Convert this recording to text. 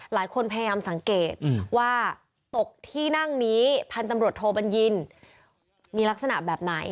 หลายคนพยายามสังเกตว่าตกที่นั่งนี้พันธุ์ตำรวจโทบัญญินมีลักษณะแบบไหน